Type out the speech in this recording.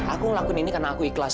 aku ngelakuin ini karena aku ikhlas